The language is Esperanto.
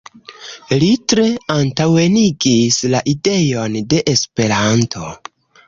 Li tre antaŭenigis la ideon de Esperanto.